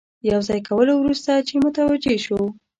د یو ځای کولو وروسته چې متوجه شو.